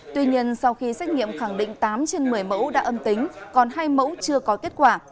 tuy nhiên sau khi xét nghiệm khẳng định tám trên một mươi mẫu đã âm tính còn hai mẫu chưa có kết quả